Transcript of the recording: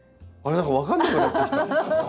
何か分かんなくなってきた。